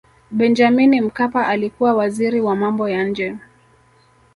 benjamini mkapa alikuwa waziri wa mambo ya nje